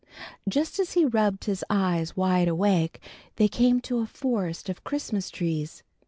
Just as he rubbed his eyes wide awake they came to a forest of Christmas trees.